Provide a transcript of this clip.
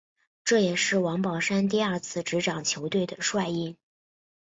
这也是王宝山第二次执掌球队的帅印。